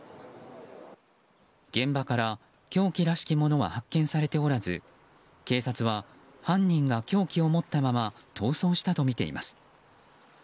現場から凶器らしきものは発見されておらず警察は犯人が凶器を持ったまま逃走したとみています。